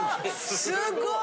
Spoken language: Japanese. すっごい！